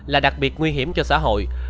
là đặc biệt nguy hiểm cho xã hội